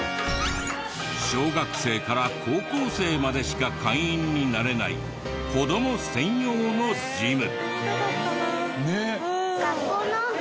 小学生から高校生までしか会員になれない子ども専用のジム。